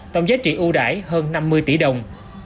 tổng giá trị ưu đải hơn năm mươi tỷ đồng